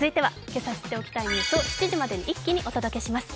けさ知っておきたいニュースを一気にお届けします。